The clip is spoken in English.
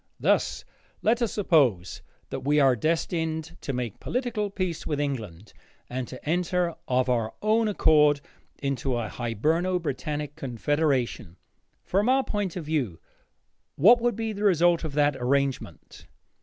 Thus let us suppose that we are destined to make political peace with England and to enter of our own accord into a Hiberno Britannic confederation. From our point of view, what would be the result of that arrangement?